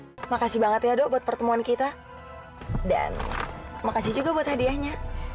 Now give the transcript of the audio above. terima kasih banget ya dok buat pertemuan kita dan makasih juga buat hadiahnya